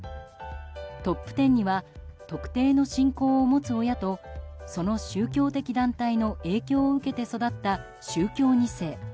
トップ１０には特定の信仰を持つ親とその宗教的団体の影響を受けて育った宗教２世。